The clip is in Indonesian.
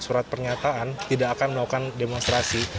surat pernyataan tidak akan melakukan demonstrasi